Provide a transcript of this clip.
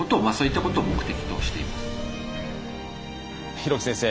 廣木先生